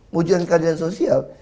mewujudkan keadilan sosial